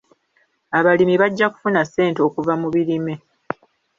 Abalimi bajja kufuna ssente okuva mu birime.